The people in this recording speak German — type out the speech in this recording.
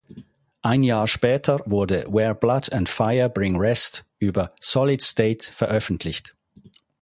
Ein Jahr später wurde "Where Blood and Fire Bring Rest" über Solid State veröffentlicht.